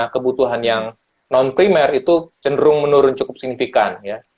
kebutuhan yang non primer itu cenderung menurun cukup signifikan ya